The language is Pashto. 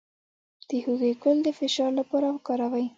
د هوږې ګل د فشار لپاره وکاروئ